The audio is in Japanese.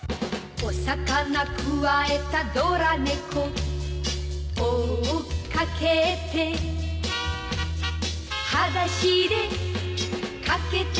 「お魚くわえたドラ猫」「追っかけて」「はだしでかけてく」